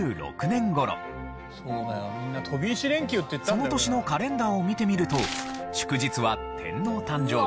その年のカレンダーを見てみると祝日は天皇誕生日